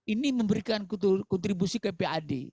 ini memberikan kontribusi ke pad